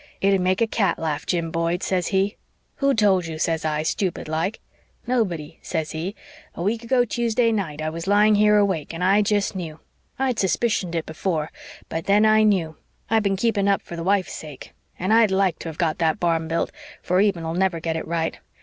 It'd make a cat laugh, Jim Boyd,' says he. 'Who told you?' says I, stupid like. 'Nobody,' says he. 'A week ago Tuesday night I was lying here awake and I jest knew. I'd suspicioned it before, but then I KNEW. I've been keeping up for the wife's sake. And I'd LIKE to have got that barn built, for Eben'll never get it right.